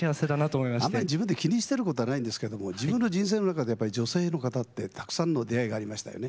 あんまり自分で気にしてることはないんですけども自分の人生の中でやっぱり女性の方ってたくさんの出会いがありましたよね。